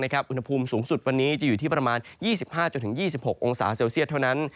อุณหภูมิสูงสุดวันนี้จะอยู่ที่ประมาณ๒๕๒๖องศาเซลเซียตเท่านั้น